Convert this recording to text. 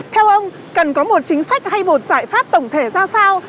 theo ông cần có một chính sách hay một giải pháp tổng thể ra sao